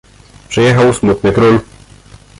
"Przyjechał smutny król."